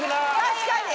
確かに！